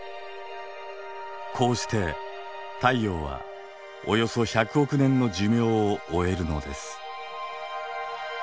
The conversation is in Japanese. こうして太陽はおよそ１００億年の寿命を終えるのです。